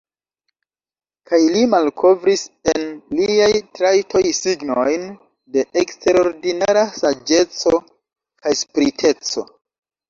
Kaj li malkovris en liaj trajtoj signojn de eksterordinara saĝeco kaj spriteco.